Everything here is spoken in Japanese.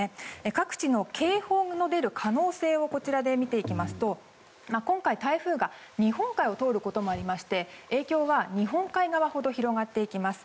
各地の警報の出る可能性をこちらで見ていきますと今回、台風が日本海を通ることもあって影響は日本海側ほど広がっていきます。